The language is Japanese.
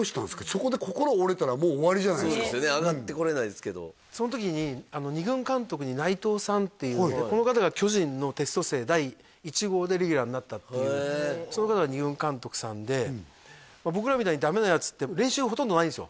そこで心折れたらもう終わりじゃないですかそうですよね上がってこれないですけどその時に２軍監督に内藤さんっていうこの方が巨人のテスト生第１号でレギュラーになったっていうその方が２軍監督さんで僕らみたいにダメなヤツって練習ほとんどないんですよ